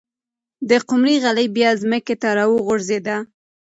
د قمرۍ خلی بیا ځمکې ته راوغورځېد.